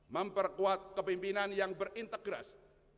memperkuat kepimpinan yang berintegrasi